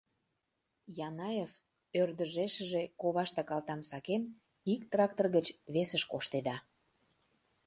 Янаев, ӧрдыжешыже коваште калтам сакен, ик трактор гыч весыш коштеда.